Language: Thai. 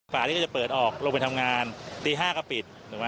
ที่ก็จะเปิดออกลงไปทำงานตี๕ก็ปิด